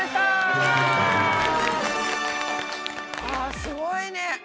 あすごいね。